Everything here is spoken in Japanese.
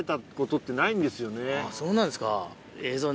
そうなんですか。